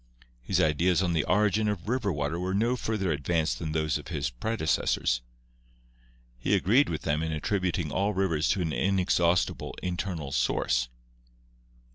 His ideas on the origin of river water were no further advanced than those of his predecessors. He agreed with them in attributing all rivers to an inexhaustible internal source.